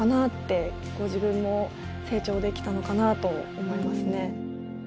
自分も成長できたのかなと思いますね。